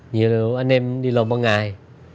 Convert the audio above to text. nhiều anh em đi lộn bằng ngày